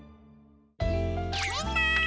みんな！